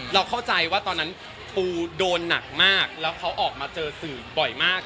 เราเข้าใจว่าตอนนั้นปูโดนหนักมากแล้วเขาออกมาเจอสื่อบ่อยมาก